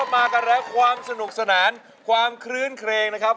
มากันแล้วความสนุกสนานความคลื้นเครงนะครับ